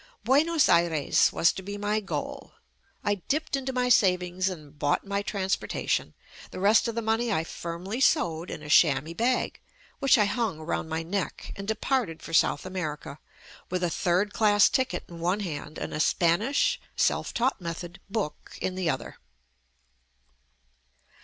Buenos Aires was to be my goal. I dipped into my savings and bought my trans portation. The rest of the money I firmly sewed in a chamois bag which I hung around my neck and departed for South America with a third class ticket in one hand and a Spanish (self taught method) book in the other.